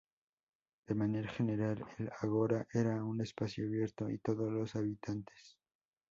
De manera general, el Ágora era un espacio abierto a todos los habitantes.